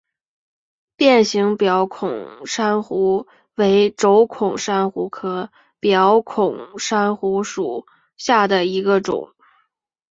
变形表孔珊瑚为轴孔珊瑚科表孔珊瑚属下的一个种。